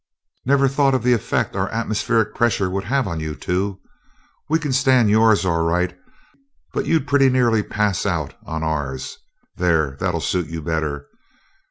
"Never thought of the effect our atmospheric pressure would have on you two. We can stand yours all right, but you'd pretty nearly pass out on ours. There, that'll suit you better.